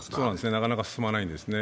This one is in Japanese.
なかなか進まないですね。